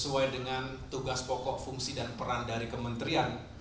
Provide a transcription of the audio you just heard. sesuai dengan tugas pokok fungsi dan peran dari kementerian